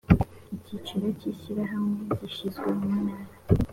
icyicaro cy ishyirahamwe gishinzwe mu ntara